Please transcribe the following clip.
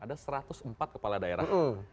ada satu ratus empat kepala daerah